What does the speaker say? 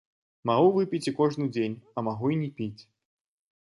Магу выпіць і кожны дзень, а магу і не піць.